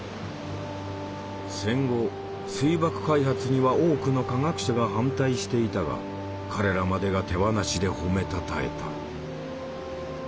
戦後水爆開発には多くの科学者が反対していたが彼らまでが手放しで褒めたたえた。